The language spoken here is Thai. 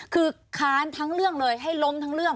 คือค้านทั้งเรื่องเลยให้ล้มทั้งเรื่อง